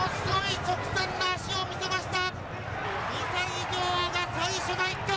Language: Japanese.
ものすごい直線の足を見せました。